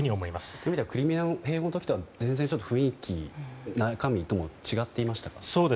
そういう意味ではクリミア併合の時とは全然、雰囲気は中身ともに違っていましたか？